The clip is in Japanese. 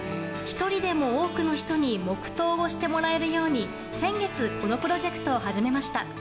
１人でも多くの人に黙祷をしてもらえるように先月、このプロジェクトを始めました。